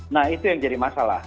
nah itu yang jadi masalah